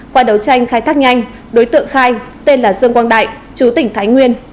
qua đấu tranh khai thác nhanh đối tượng khai tên là dương quang đại chú tỉnh thái nguyên